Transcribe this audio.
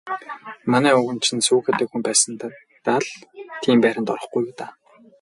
Манай өвгөн чинь сүүхээтэй хүн байсандаа л тийм байранд орохгүй юу даа.